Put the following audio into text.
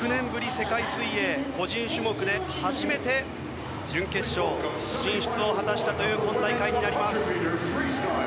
世界水泳個人種目で初めて準決勝進出を果たしたという今大会です。